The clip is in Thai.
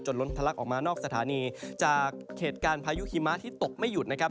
ล้นทะลักออกมานอกสถานีจากเหตุการณ์พายุหิมะที่ตกไม่หยุดนะครับ